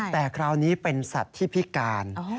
แต่คราวนี้เป็นสัตว์ที่พิการ